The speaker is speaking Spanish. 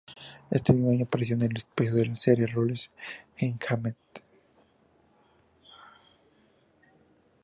Ese mismo año apareció en un episodio de la serie "Rules of Engagement".